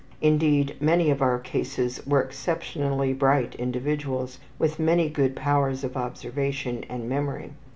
Indeed, many of our cases were exceptionally bright individuals with many good powers of observation and memory.